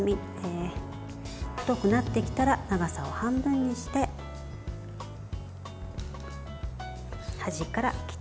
太くなってきたら長さを半分にして端から切っていきます。